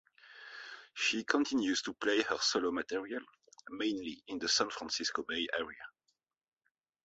She continues to play her solo material, mainly in the San Francisco Bay Area.